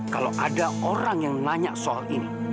kalau ada orang yang nanya soal ini